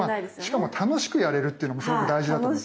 しかも楽しくやれるっていうのもすごく大事だと思うんですね。